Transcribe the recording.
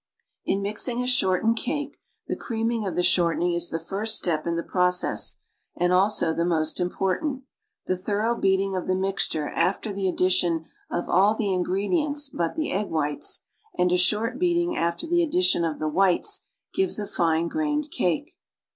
In mixing a shortened cake, tlie creaming of the shortening is the first step in the process, and also the most important; the thorough beating of the mixture after the addition of all the in gredients but the egg whites, and a short beating after the addition of the whites give a fine grained cake.